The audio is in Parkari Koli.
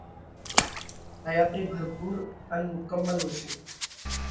حياتئِي ڀرپُور ان مڪمل هوشي۔